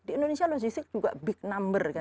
di indonesia logistik juga big number kan